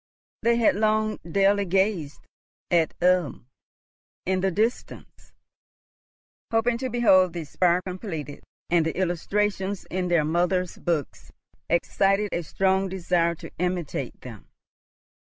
They had long daily gazed at Ulm in the distance, hoping to behold the spire completed; and the illustrations in their mother's books excited a strong desire to imitate them.